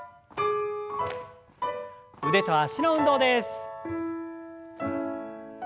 腕と脚の運動です。